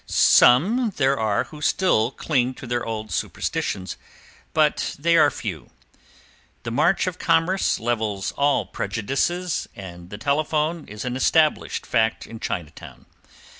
Some there are who still cling to their old superstitions, but they are few. The march of commerce levels all prejudices, and the telephone is an established fact in Chinatown.